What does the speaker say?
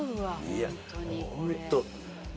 いやホント。